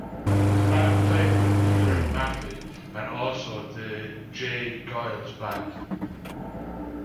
The band played with Peter Maffey and also the J. Geils Band.